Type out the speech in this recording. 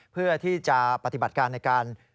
เพื่อที่จะปฏิบัติการในการ